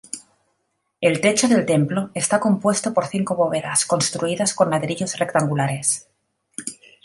El techo del templo está compuesto por cinco bóvedas construidas con ladrillos rectangulares.